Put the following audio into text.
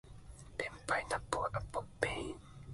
ペンパイナッポーアッポーペン